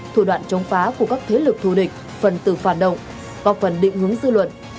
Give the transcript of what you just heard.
thủ đoạn chống phá của các thế lực thù địch phần tử phản động có phần định hướng dư luận